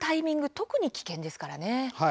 特に危険ですからね。